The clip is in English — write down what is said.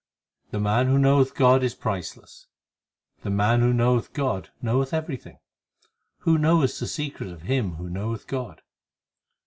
7 The man who knoweth God is priceless, The man who knoweth God knoweth everything Who knoweth the secret of him who knoweth God